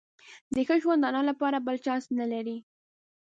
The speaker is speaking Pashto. د ښه ژوندانه لپاره بل چانس نه لري.